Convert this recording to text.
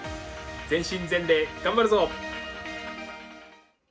全身全霊、頑張るぞ！